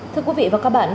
thưa quý vị và các bạn